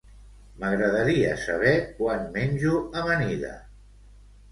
M'agradaria saber quan menjo amanida.